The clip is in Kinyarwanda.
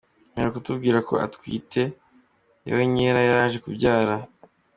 Mperuka utubwira ko atwite yawenyera yaraje kubyara.